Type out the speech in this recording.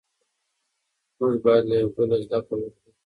موږ بايد له يوه بل زده کړه وکړو.